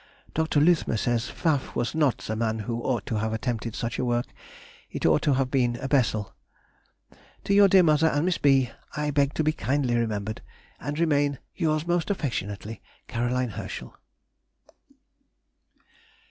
Dr. Luthmer says, Pfaff was not the man who ought to have attempted such a work, it ought to have been a Bessel. To your dear mother and Miss B. I beg to be kindly remembered, And remain Yours, most affectionately, C. HERSCHEL.